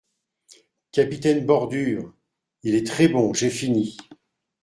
Capitaine Bordure Il est très bon, j’ai fini.